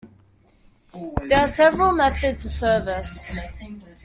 There are several methods of service.